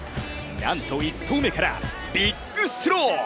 なんと１投目からビッグスロー。